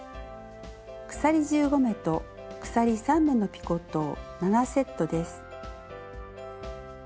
鎖１５目と鎖３目のピコットを７セットです。